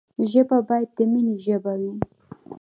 ژبه باید د ميني ژبه وي.